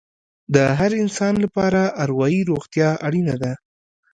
د هر انسان لپاره اروايي روغتیا اړینه ده.